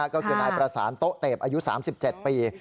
ก็คือนายประสานโต๊ะเต็บอายุ๓๗ปี